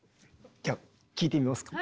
じゃ聴いてみますか。